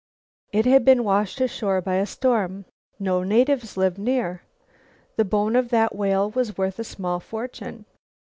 It had been washed ashore by a storm. No natives lived near. The bone of that whale was worth a small fortune.